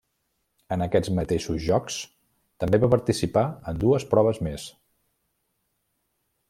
En aquests mateixos Jocs també va participar en dues proves més.